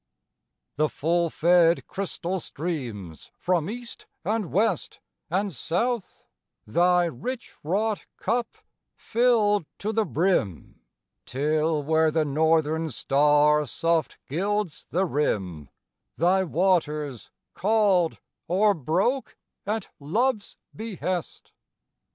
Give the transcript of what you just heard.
The full fed crystal streams from east and west And south, thy rich wrought cup filled to the brim, Till where the northern star soft gilds the rim, Thy waters, called, o'erbroke at love's behest.